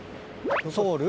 ソウル？